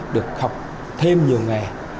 được học thêm nhiều nghề